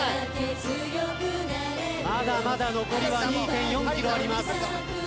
まだまだ残りは２．４ｋｍあります。